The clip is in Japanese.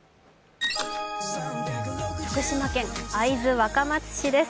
福島県会津若松市です。